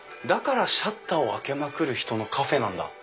だから「シャッターを開けまくる人のカフェ」なんだ。